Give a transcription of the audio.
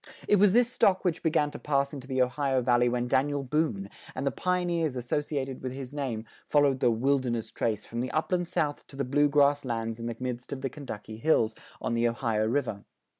It was this stock which began to pass into the Ohio Valley when Daniel Boone, and the pioneers associated with his name, followed the "Wilderness Trace" from the Upland South to the Blue Grass lands in the midst of the Kentucky hills, on the Ohio river.